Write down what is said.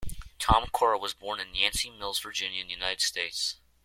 Tom Cora was born in Yancey Mills, Virginia, United States.